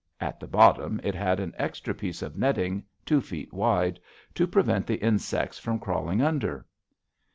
At the bottom it had an extra piece of netting two feet wide, to prevent the insects from crawling under.